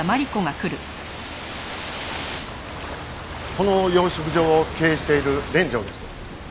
この養殖場を経営している連城です。